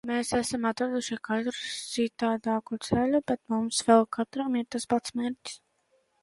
Mēs esam atraduši katrs citādāku ceļu, bet mums vēl katram ir tas pats mērķis.